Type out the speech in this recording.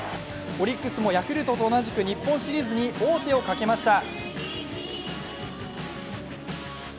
オリックスもヤクルトと同じく日本シリーズに王手をかけました。